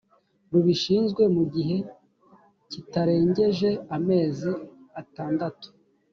rubishinzwe mugihe kitarengejeamezi atandatu